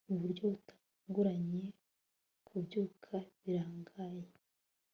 Mu buryo butunguranye kubyuka birangaye